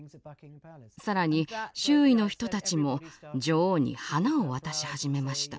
更に周囲の人たちも女王に花を渡し始めました。